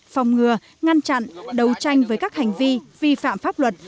phòng ngừa ngăn chặn đấu tranh với các hành vi vi phạm pháp luật